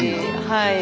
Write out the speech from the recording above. はい。